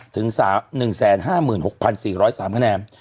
ถึง๑๕๖๔๐๓คะแนน